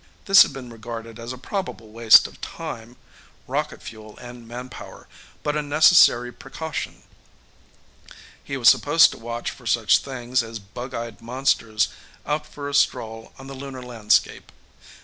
This had been regarded as a probable waste of time, rocket fuel and manpower but a necessary precaution. He was supposed to watch for such things as bug eyed monsters out for a stroll on the Lunar landscape.